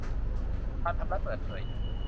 การทำรัฐเปิดเผย